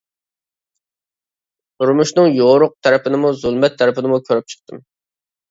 تۇرمۇشنىڭ يورۇق تەرىپىنىمۇ، زۇلمەت تەرىپىنىمۇ كۆرۈپ چىقتىم.